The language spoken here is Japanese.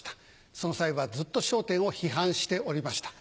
その際はずっと『笑点』を批判しておりました。